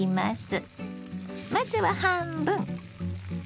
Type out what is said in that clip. まずは半分。